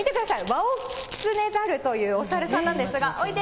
ワオキツネザルというおサルさんなんですが、おいで。